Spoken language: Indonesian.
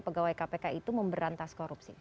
pegawai kpk itu memberantas korupsi